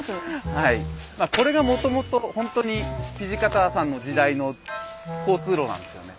はいこれがもともとほんとに土方さんの時代の交通路なんですよね。